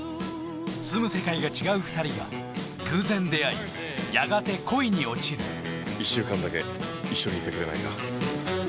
住む世界が違う２人が偶然出会いやがて恋に落ちる１週間だけ一緒にいてくれないか。